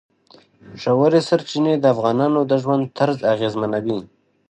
ژورې سرچینې د افغانانو د ژوند طرز اغېزمنوي.